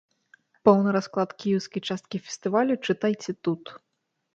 Поўны расклад кіеўскай часткі фестывалю чытайце тут.